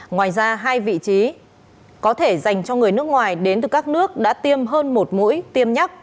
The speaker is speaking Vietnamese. ngoài ra hai vị trí có thể dành cho người nước ngoài đến từ các nước đã tiêm hơn một mũi tiêm nhắc